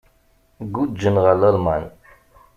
Guǧǧen ɣer Lalman.